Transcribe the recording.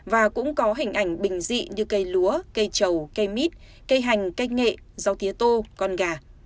và cũng có hình ảnh bình dị như cây lúa cây trầu cây mít cây hành cây nghệ rau tía tô con gà